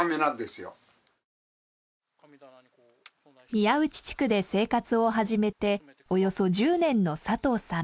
宮内地区で生活を始めておよそ１０年の佐藤さん。